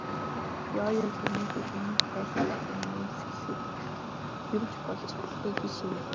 Ёо ёо хэмээн хүүхэн наалинхайтан инээгээд юм ч болж эхэллээ гэж шивнэлээ.